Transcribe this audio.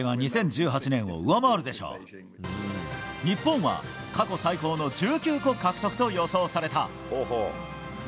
日本は過去最高の１９個獲得と予想された。